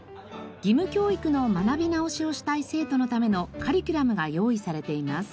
義務教育の学び直しをしたい生徒のためのカリキュラムが用意されています。